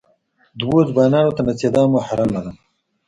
دوو ځوانان ته نڅېدا محرمه ده.